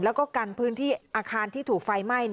แล้วก็กันพื้นที่อาคารที่ถูกไฟไหม้